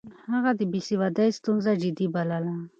هغه د بې سوادۍ ستونزه جدي بلله.